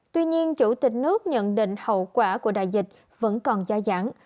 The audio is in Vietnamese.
tuy nhiên chủ tịch nước nhận định hậu quả của đại dịch vẫn còn dã dãn